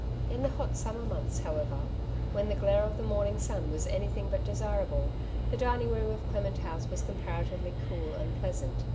In the hot summer months, however, when the •^ 88 " Two Sides to every Question^ glare of the morning sun was anything bat desirable, the dining room of Clement House was compara tively cool and pleasant.